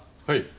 はい。